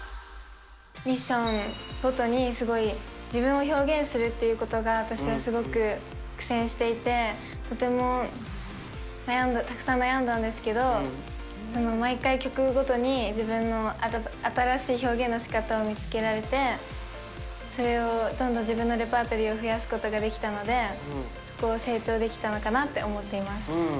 ミッションごとにすごい自分を表現するということが、私はすごく苦戦していて、とても悩んだ、たくさん悩んだんですけど、毎回、曲ごとに自分の新しい表現のしかたを見つけられて、それをどんどん自分のレパートリーを増やすことができたので、そこは成長できたのかなと思っています。